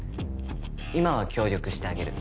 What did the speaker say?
今は協力してあげる。